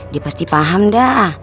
dia pasti paham dah